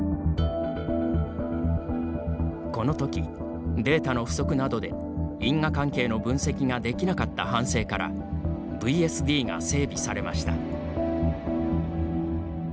このとき、データの不足などで因果関係の分析ができなかった反省からＶＳＤが整備されました。